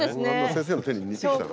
先生の手に似てきたな。